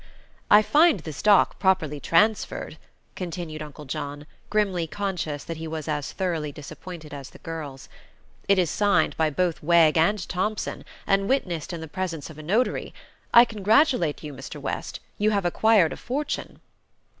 "I find the stock properly transferred," continued Uncle John, grimly conscious that he was as thoroughly disappointed as the girls. "It is signed by both Wegg and Thompson, and witnessed in the presence of a notary. I congratulate you, Mr. West. You have acquired a fortune."